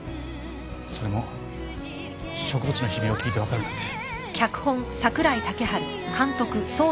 それも植物の悲鳴を聞いてわかるなんて。